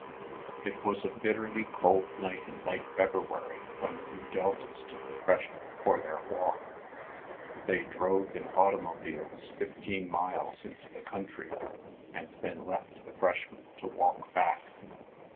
It was a bitterly cold night in late February when the Nu Deltas took the freshmen for their "walk." They drove in automobiles fifteen miles into the country and then left the freshmen to walk back.